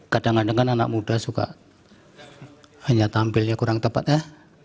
kadang kadang kan anak muda suka hanya tampil ya kurang tepat ya